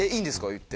言って。